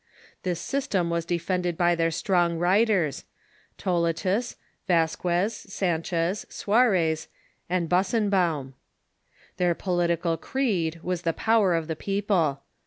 This system was defended by their strong writers : Toletus, Vas quez, Sanchez, Suarez, and Busenbaum. Their political creed was the power of the people.